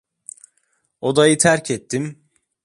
Odayı terk ettim.